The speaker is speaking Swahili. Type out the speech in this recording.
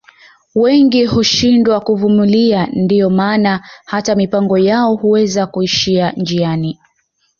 Wengi hushindwa kuvumilia ndio maana hata mipango yao Huweza kuishia njiani